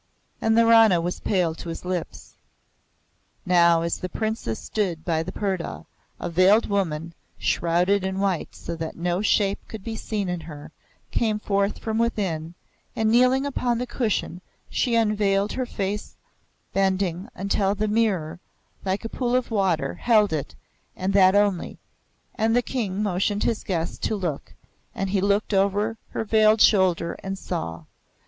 And the Rana was pale to the lips. Now as the Princes stood by the purdah, a veiled woman, shrouded in white so that no shape could be seen in her, came forth from within, and kneeling upon the cushion, she unveiled her face bending until the mirror, like a pool of water, held it, and that only. And the King motioned his guest to look, and he looked over her veiled shoulder and saw.